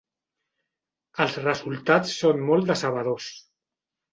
Els resultats són molt decebedors.